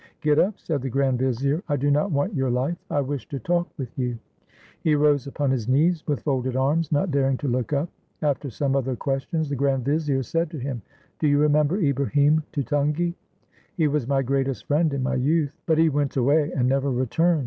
"Get up!" said the grand vizier. "I do not want your life. I wish to talk with you." He rose upon his knees, with folded arms; not daring to look up. After some other questions, the grand vizier said to him, "Do you remember Ibrahim Tutungi?" "He was my greatest friend in my youth, but he went away, and never re turned."